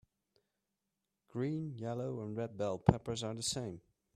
Green, yellow and red bell peppers are the same.